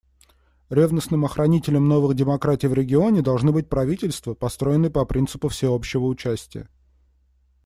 Ревностным охранителем новых демократий в регионе должны быть правительства, построенные по принципу всеобщего участия.